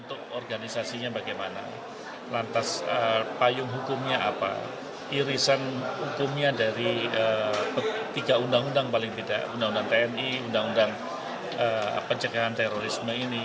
undang undang tni undang undang pencegahan terorisme ini